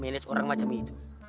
kominya si orang macam itu